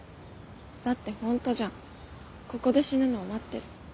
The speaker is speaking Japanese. だってホントじゃんここで死ぬのを待ってる。